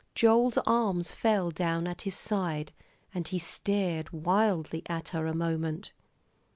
Joel's arms fell down at his side, and he stared wildly at her a moment.